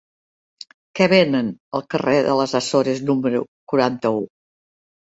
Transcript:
Què venen al carrer de les Açores número quaranta-u?